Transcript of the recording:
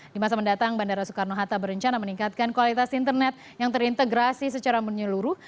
di masa mendatang bandara soekarno hatta berencana meningkatkan kualitas internet yang terintegrasi secara menyeluruh